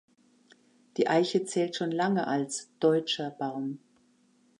Die Eiche zählt schon lange als „deutscher“ Baum.